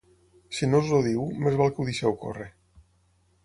Si no us el diu, més val que ho deixeu córrer.